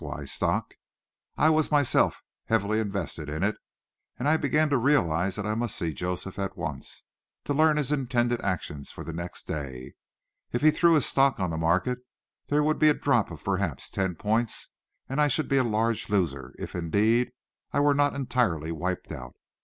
Y. stock. I was myself a heavy investor in it, and I began to realize that I must see Joseph at once, and learn his intended actions for the next day. If he threw his stock on the market, there would be a drop of perhaps ten points and I should be a large loser, if, indeed, I were not entirely wiped out.